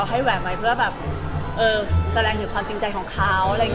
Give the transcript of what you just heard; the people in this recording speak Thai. เสริงอยู่ความจริงใจของเขา